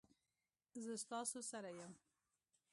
زه ستاسو سره یم